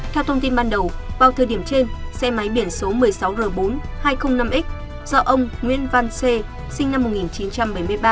theo thông tin ban đầu vào thời điểm trên xe máy biển số một mươi sáu r bốn hai trăm linh năm x do ông nguyễn văn xê sinh năm một nghìn chín trăm bảy mươi ba